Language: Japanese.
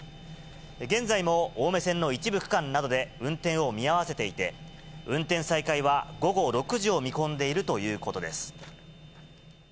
現在も青梅線の一部区間などで運転を見合わせていて、運転再開は午後６時を見込んでいるということです。